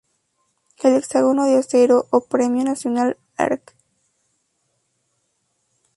El Hexágono de Acero o Premio Nacional Arq.